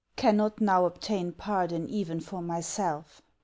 " Cannot now obtain pardon even for myself.